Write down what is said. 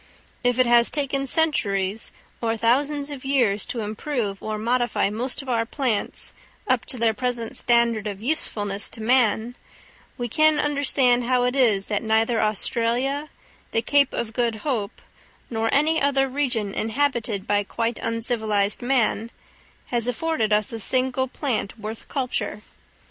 If it has taken centuries or thousands of years to improve or modify most of our plants up to their present standard of usefulness to man, we can understand how it is that neither Australia, the Cape of Good Hope, nor any other region inhabited by quite uncivilised man, has afforded us a single plant worth culture.